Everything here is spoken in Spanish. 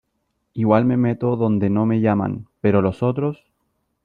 igual me meto donde no me llaman , pero los otros